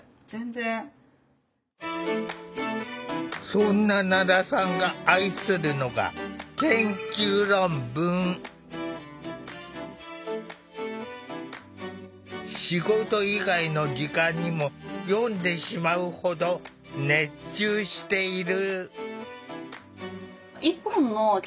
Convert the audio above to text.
そんな奈良さんが愛するのが仕事以外の時間にも読んでしまうほど熱中している。